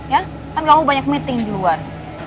ya kan kamu banyak meeting di luar